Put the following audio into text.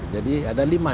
jadi ada lima ini